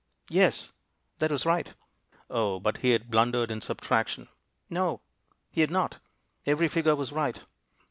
Yes, that was right. O, but he had blundered in subtraction! No, he had not; every figure was right.